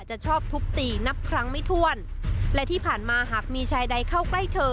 จะชอบทุบตีนับครั้งไม่ถ้วนและที่ผ่านมาหากมีชายใดเข้าใกล้เธอ